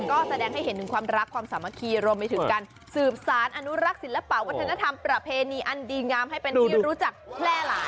ก็แสดงให้เห็นถึงความรักความสามัคคีรวมไปถึงการสืบสารอนุรักษ์ศิลปะวัฒนธรรมประเพณีอันดีงามให้เป็นที่รู้จักแพร่หลาย